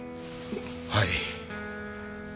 はい